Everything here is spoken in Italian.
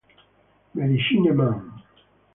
Medicine Man